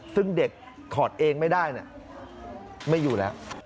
ซึ่งเด็กถอดเองไม่ได้ไม่อยู่แล้ว